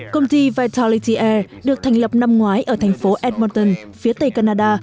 công ty vitality air được thành lập năm ngoái ở thành phố airmonton phía tây canada